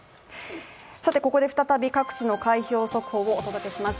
ここで再び各地の開票速報をお届けします。